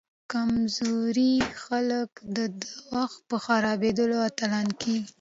کمزوري خلک د وخت په خرابیدو اتلان کیږي.